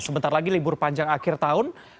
sebentar lagi libur panjang akhir tahun